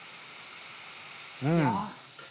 うん。